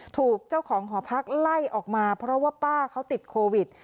ถูกเจ้าของหอพักไล่ออกมาเพราะว่าป้าเขาติดโควิด